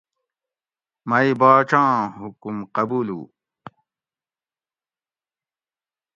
مئ باچ آں حکم قبولوُ